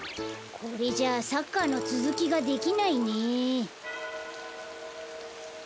これじゃサッカーのつづきができないね。